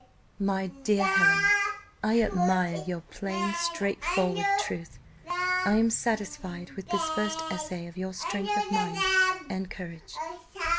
"My dear Helen, I admire your plain straightforward truth; I am satisfied with this first essay of your strength of mind and courage."